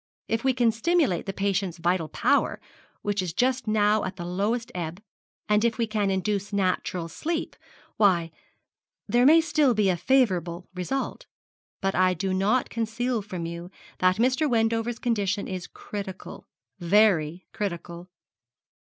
If we can stimulate the patient's vital power, which is just now at the lowest ebb, and if we can induce natural sleep, why, there may still be a favourable result. But I do not conceal from you that Mr. Wendover's condition is critical very critical.